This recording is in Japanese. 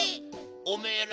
おめえら